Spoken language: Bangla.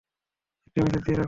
একটি মেসেজ দিয়ে রাখুন।